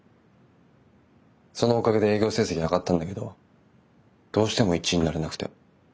そのおかげで営業成績上がったんだけどどうしても１位になれなくて。